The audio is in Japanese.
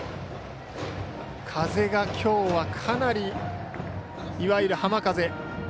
風がきょうはかなり、いわゆる浜風。